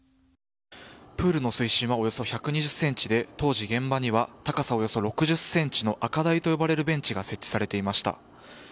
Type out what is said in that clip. プールの水深はおよそ１２０ｃｍで当時、現場には高さおよそ６０ｃｍの赤台と呼ばれるベンチが設置されていました。